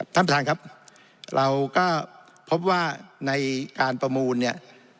ท่านประธานครับเราก็พบว่าในการประมูลเนี่ย